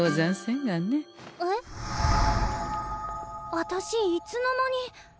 あたしいつの間に。